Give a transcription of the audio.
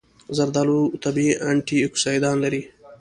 زردآلو طبیعي انټياکسیدان لري.